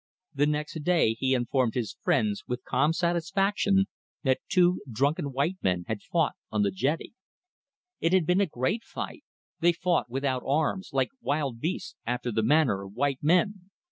The next day he informed his friends, with calm satisfaction, that two drunken white men had fought on the jetty. It had been a great fight. They fought without arms, like wild beasts, after the manner of white men.